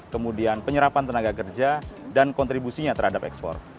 kemudian penyerapan tenaga kerja dan kontribusinya terhadap ekspor